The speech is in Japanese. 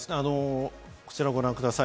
こちらをご覧ください。